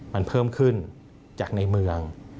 มันเพิ่มขึ้นจากในเมือง